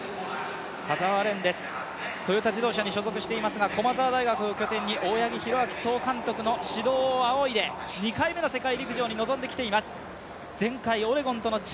田澤廉はトヨタ自動車に所属していますが駒澤大学を拠点に大八木弘明総監督の指導をあおいで、２回目の世界陸上に臨んできています。